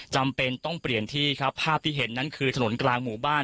จำเป็นต้องเปลี่ยนที่ครับภาพที่เห็นนั้นคือถนนกลางหมู่บ้าน